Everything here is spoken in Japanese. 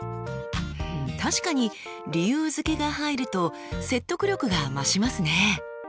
確かに理由づけが入ると説得力が増しますね。